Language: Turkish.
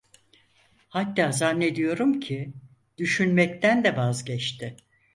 Hatta zannediyorum ki, düşünmekten de vazgeçti…